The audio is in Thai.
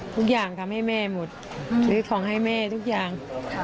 ทุกอย่างทำให้แม่หมดซื้อของให้แม่ทุกอย่าง